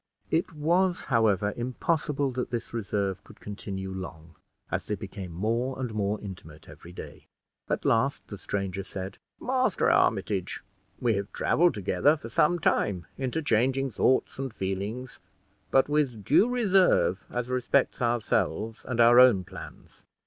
It was, however, impossible that this reserve could continue long, as they became more and more intimate every day. At last the stranger said, "Master Armitage, we have traveled together for some time, interchanging thoughts and feelings, but with due reserve as respects ourselves and our own plans.